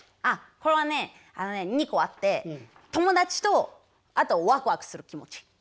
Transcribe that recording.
あこれはねあのね２個あって友達とあとワクワクする気持ち。